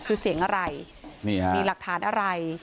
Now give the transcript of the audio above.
คือเสียงอะไรนี่ฮะมีหลักฐานอะไร